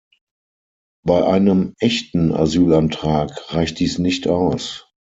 Bei einem echten Asylantrag reicht dies nicht aus.